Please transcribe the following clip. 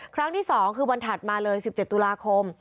ครั้งที่๒คือวันถัดมาเลย๑๗ตุลาคม